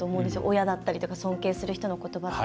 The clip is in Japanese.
親だったりとか尊敬する人のことばって。